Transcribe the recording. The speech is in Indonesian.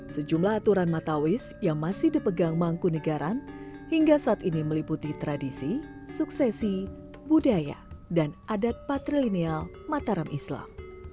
sejumlah aturan matawis yang masih dipegang mangku negaran hingga saat ini meliputi tradisi suksesi budaya dan adat patrilineal mataram islam